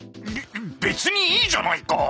別にいいじゃないか！